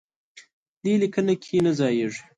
دې لیکنه کې نه ځایېږي.